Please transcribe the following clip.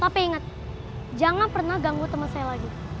tapi inget jangan pernah ganggu temen saya lagi